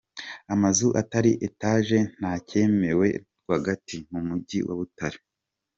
Amazu atari etaje ntacyemewe rwagati mu mugi wa Butare.